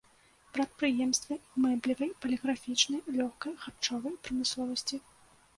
Прадпрыемствы мэблевай, паліграфічнай, лёгкай, харчовай прамысловасці.